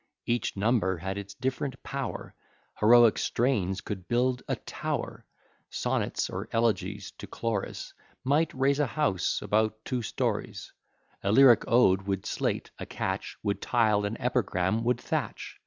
Each number had its diff'rent power; Heroic strains could build a tower; Sonnets, or elegies to Chloris, Might raise a house about two stories; A lyric ode would slate; a catch Would tile; an epigram would thatch.